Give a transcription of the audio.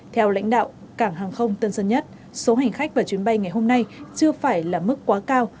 theo lãnh đạo cảng hàng không tân sơn nhất số hành khách và chuyến bay ngày hôm nay chưa phải là mức quá cao